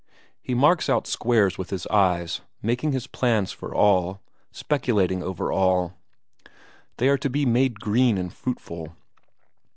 He marks out squares with his eye, making his plans for all, speculating over all; they are to be made green and fruitful.